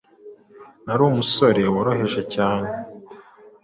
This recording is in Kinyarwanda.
Nari umusore woroheje cyane